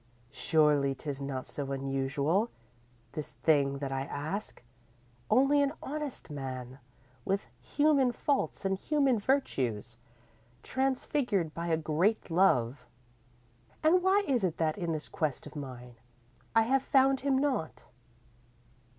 _ _"Surely 'tis not so unusual, this thing that I ask only an honest man with human faults and human virtues, transfigured by a great love. And why is it that in this quest of mine, I have found him not?"